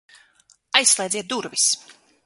Aizslēdziet durvis!